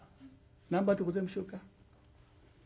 何番でございましょうか？